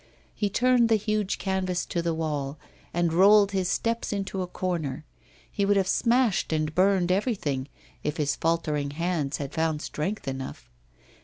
He turned the huge canvas to the wall and rolled his steps into a corner; he would have smashed and burned everything if his faltering hands had found strength enough.